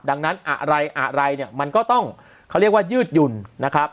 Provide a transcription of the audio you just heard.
ดังนั้นอะไรอะไรเนี่ยมันก็ต้องเขาเรียกว่ายืดหยุ่นนะครับ